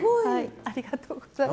ありがとうございます。